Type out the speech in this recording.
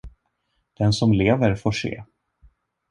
Den som lever får se.